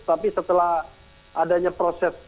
tapi setelah adanya proses